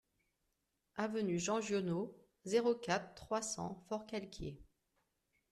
Avenue Jean Giono, zéro quatre, trois cents Forcalquier